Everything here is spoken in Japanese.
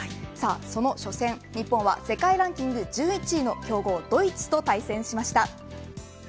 その初戦日本は世界ランキング１１位の強豪ドイツと対戦しました。